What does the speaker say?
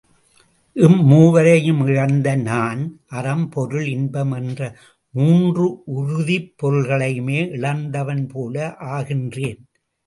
இம் மூவரையும் இழந்த நான் அறம், பொருள், இன்பம் என்ற மூன்று உறுதிப் பொருள்களையுமே இழந்தவன்போல ஆகின்றேன்.